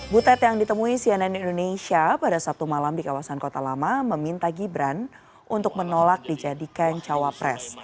butet yang ditemui cnn indonesia pada sabtu malam di kawasan kota lama meminta gibran untuk menolak dijadikan cawapres